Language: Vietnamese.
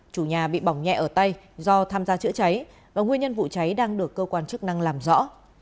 chủ nhà bị bỏng nhẹ ở tay do tham gia chữa cháy và nguyên nhân vụ cháy đang được cơ quan chức năng làm rõ